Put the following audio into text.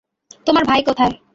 তোমার ভাই কোথায়?